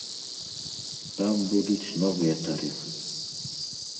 Там будуць новыя тарыфы.